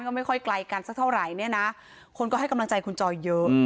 ก็จะไม่ค่อยกลายกันแสดงเท่าไหร่คนก็ให้กำลังใจคุณจอยเยอะ